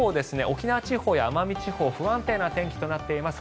沖縄地方や奄美地方不安定な天気となっています。